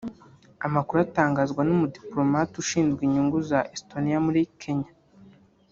Amakuru atangazwa n’umudipolomate ushinzwe inyungu za Estonia muri Kenya